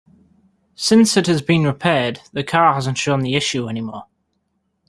Since it's been repaired, the car hasn't shown the issue any more.